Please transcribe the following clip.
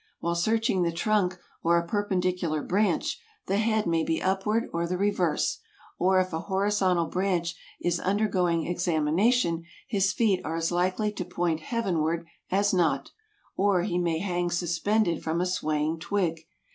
While searching the trunk or a perpendicular branch, the head may be upward or the reverse; or if a horizontal branch is undergoing examination his feet are as likely to point heavenward as not; or he may hang suspended from a swaying twig.